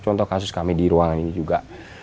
contoh kasus kami di ruangan ini juga